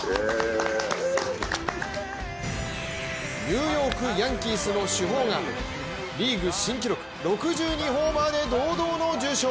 ニューヨーク・ヤンキースの主砲がリーグ新記録６２ホーマーで堂々の受賞。